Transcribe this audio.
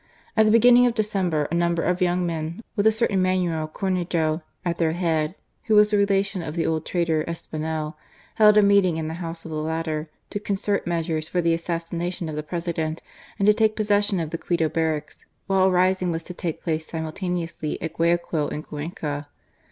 At the beginning of December, a number of young men, with a certain Manuel Cornejo at their head (who was a relation of the old traitor, Espinel), held a meeting in the jhoiise ' of the latter, ' to concert meas^ures >for the assassination of the President, and to take posses sion of the Quito barracks, while a rising was to take place simultaneously at Guayaquil and Cuenca.